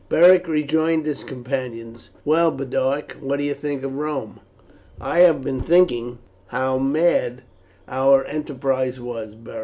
Beric rejoined his companions. "Well, Boduoc, what think you of Rome?" "I have been thinking how mad our enterprise was, Beric.